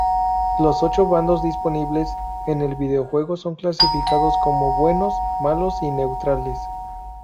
Los ocho bandos disponibles en el videojuego son clasificados como buenos, malos y neutrales.